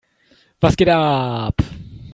Was geht ab?